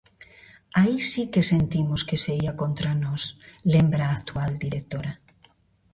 "Aí si que sentimos que se ía contra nós", lembra a actual directora.